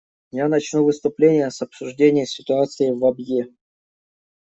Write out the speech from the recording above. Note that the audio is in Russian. Я начну выступление с обсуждения ситуации в Абьее.